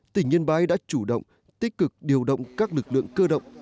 tỉnh yên bái đã chủ động tích cực điều động các lực lượng cơ động